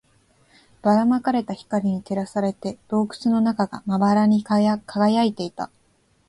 ばら撒かれた光に照らされて、洞窟の中がまばらに輝いていた